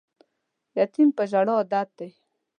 یتیم په ژړا عادت دی